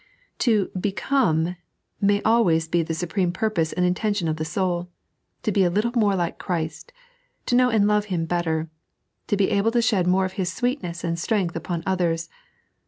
To b«oome may ali^^ be the supreme purpose and intention of the soul; to be a little more like Christ ; to know and love Him better ; to be able to shed more of TTia sweetness and strength upon others.